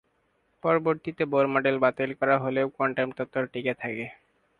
পরবর্তীতে Bohr model বাতিল করা হলেও কোয়ান্টাম তত্ত্ব টিকে থাকে।